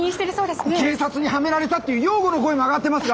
警察にはめられたっていう擁護の声も上がってますが？